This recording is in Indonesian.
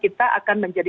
kita akan menjadi